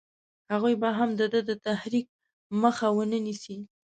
هغوی به هم د ده د تحریک مخه ونه نیسي.